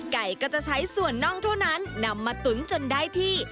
ไก่ก็จะใช้ส่วนน่องเท่านั้นนำมาตุ๋นจนได้ที่